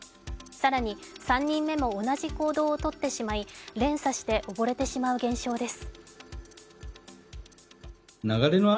更に３人目も同じ行動をとってしまい連鎖して溺れてしまう現象です。